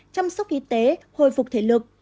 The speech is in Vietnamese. chăm sóc y tế hồi phục thể lực